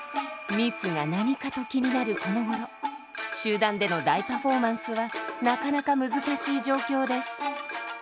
「密」が何かと気になるこのごろ集団での大パフォーマンスはなかなか難しい状況です。